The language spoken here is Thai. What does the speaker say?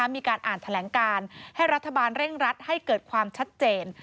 มีการอ่านแถลงการให้รัฐบาลเร่งรัดให้เกิดความชัดเจน